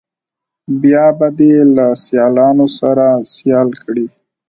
بیا به دې له سیالانو سره سیال کړي.